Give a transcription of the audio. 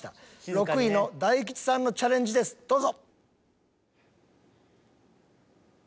６位の大吉さんのチャレンジですどうぞ。